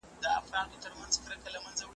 اقتصاد یوه ژوندۍ او ډینامیکه پدیده ده.